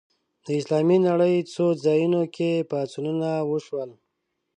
د اسلامي نړۍ څو ځایونو کې پاڅونونه وشول